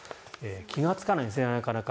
気がつかないんですねなかなか。